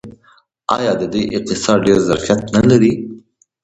آیا د دوی اقتصاد ډیر ظرفیت نلري؟